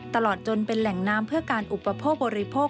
ตลอดจนเป็นแหล่งน้ำเพื่อการอุปโภคบริโภค